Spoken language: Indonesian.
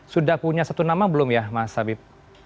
sudah punya satu nama belum ya mas habib